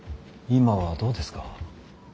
今はどうですか。